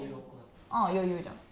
ああ余裕じゃん。